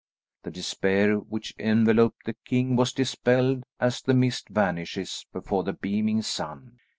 The despair which enveloped the king was dispelled as the mist vanishes before the beaming sun.